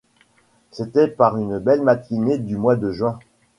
C’était par une belle matinée du mois de juin.